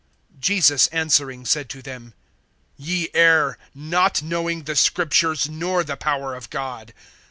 (29)Jesus answering said to them: Ye err, not knowing the Scriptures, nor the power of God.